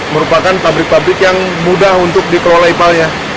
merupakan pabrik pabrik yang mudah untuk dikelola ipalnya